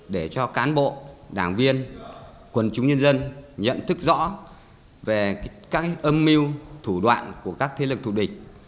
để cho cán bộ đảng viên quần chúng nhân dân nhận thức rõ về các âm mưu thủ đoạn của các thế lực thù địch